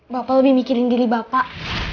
bapak lebih mikirin diri bapak